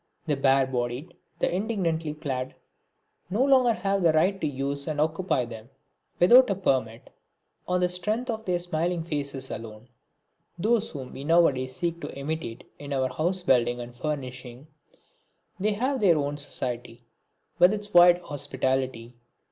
The bare bodied, the indigently clad, no longer have the right to use and occupy them, without a permit, on the strength of their smiling faces alone. Those whom we now a days seek to imitate in our house building and furnishing, they have their own society, with its wide hospitality.